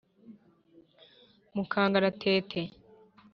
Mu kangaratete